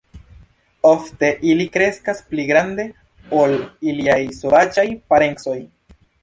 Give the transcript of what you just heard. Ofte ili kreskas pli grande ol iliaj sovaĝaj parencoj.